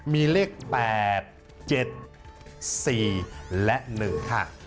มีเลข๘๗๔และ๑ค่ะ